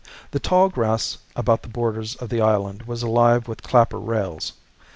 ] The tall grass about the borders of the island was alive with clapper rails.